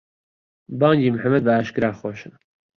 بانگی موحەمەد بە ئاشکرا خۆشە